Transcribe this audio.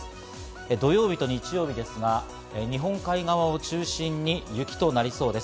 土曜日と日曜日ですが、日本海側を中心に雪となりそうです。